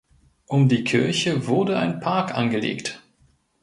Um die Kirche wurde ein Park angelegt.